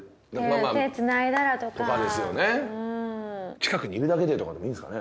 近くにいるだけでとかでもいいんですかね？